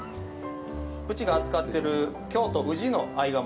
うちが扱ってる京都宇治の合鴨。